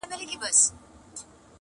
ټولنه ورو ورو بدلېږي لږ،